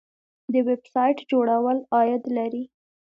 د ویب سایټ جوړول عاید لري